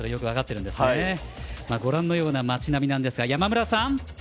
ご覧のような街並みなんですが。